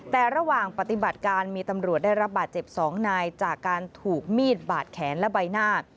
แต่ระหว่างปฏิบัติการมีตำรวจได้รับบาดเจ็บ๒นายจากการถูกมีดบาดแขนและใบหน้า